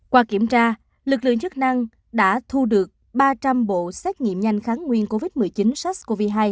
qua kiểm tra lực lượng chức năng đã thu được ba trăm linh bộ xét nghiệm nhanh kháng nguyên covid một mươi chín sars cov hai